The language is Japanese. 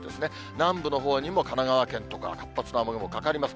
南部のほうにも神奈川県とか活発な雨雲かかります。